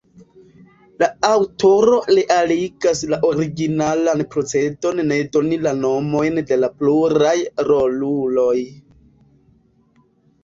La aŭtoro realigas la originalan procedon ne doni la nomojn de la pluraj roluloj.